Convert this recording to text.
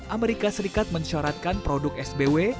amerika serikat mensyaratkan produk sbw